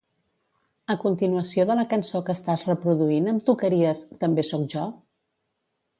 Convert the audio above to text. A continuació de la cançó que estàs reproduint em tocaries "També soc jo"?